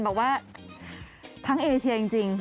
บอกว่าทั้งเอเชียจริง